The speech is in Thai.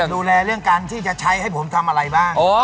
ดูแลเรื่องการที่จะใช้ให้ผมทำอะไรบ้าง